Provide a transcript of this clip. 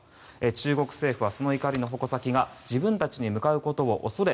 中国政府はその怒りの矛先が自分たちに向かうことを恐れ